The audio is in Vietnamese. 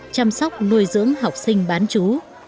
chăm sóc nuôi dưỡng học sinh bán chú